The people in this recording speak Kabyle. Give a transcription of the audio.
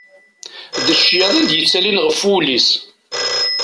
D ccyaḍ i d-yettalin ɣef wul-is.